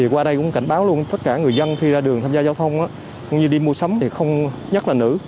qua đây cũng cảnh báo luôn tất cả người dân khi ra đường tham gia giao thông cũng như đi mua sắm